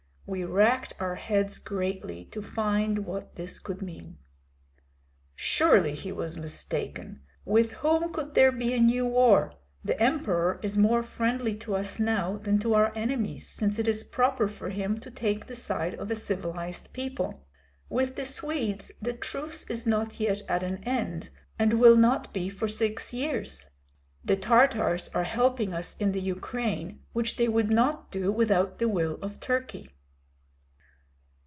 We racked our heads greatly to find what this could mean." "Surely he was mistaken. With whom could there be a new war? The emperor is more friendly to us now than to our enemies, since it is proper for him to take the side of a civilized people. With the Swedes the truce is not yet at an end, and will not be for six years; the Tartars are helping us in the Ukraine, which they would not do without the will of Turkey."